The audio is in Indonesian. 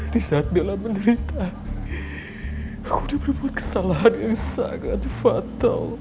di saat bella menderita aku udah berbuat kesalahan yang sangat fatal